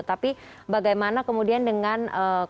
tapi bagaimana kemudian dengan